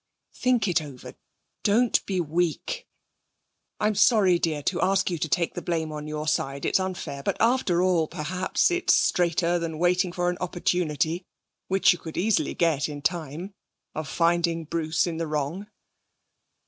Think it over. Don't be weak. I'm sorry, dear, to ask you to take the blame on your side. It's unfair; but after all, perhaps, it's straighter than waiting for an opportunity (which you could easily get in time) of finding Bruce in the wrong.'